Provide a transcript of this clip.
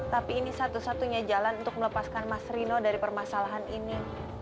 tapi ini satu satunya jalan untuk melepaskan mas rino dari permasalahan ini